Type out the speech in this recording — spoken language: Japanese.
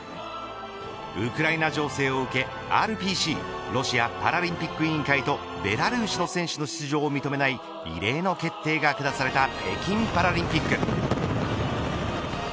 ウクライナ情勢を受けＲＰＣロシアパラリンピック委員会とベラルーシの選手を認めない異例の決定がくだされた北京パラリンピック。